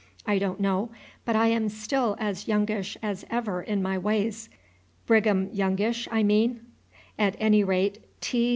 I don't know but I am still as Youngish as ever in my ways, Brigham Youngish, I mean; at any rate, T.